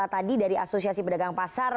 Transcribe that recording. tadi dari asosiasi pedagang pasar